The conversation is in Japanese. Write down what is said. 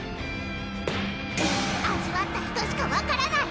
味わった人しか分からない